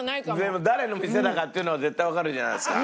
でも誰の店だかっていうのは絶対わかるじゃないですか。